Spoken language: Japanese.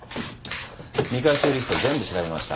未回収リスト全部調べました。